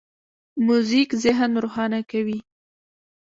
موزیک ذهن روښانه کوي.